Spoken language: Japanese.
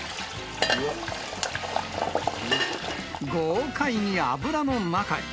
豪快に油の中へ。